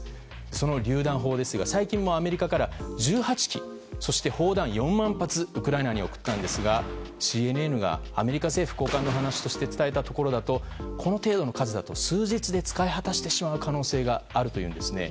そのりゅう弾砲ですが最近もアメリカから１８基、そして砲弾４万発ウクライナに送ったんですがＣＮＮがアメリカ政府高官の話として伝えたところだとこの程度の数だと数日で使い果たしてしまう可能性があるというんですね。